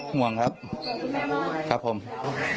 ห่วงครับครับผมห่วงคุณแม่มาก